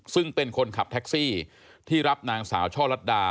ซึ่งเป็นคนขับแท็กซี่ที่รับนางสาวช่อลัดดา